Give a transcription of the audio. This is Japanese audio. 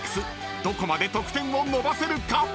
どこまで得点を伸ばせるか⁉］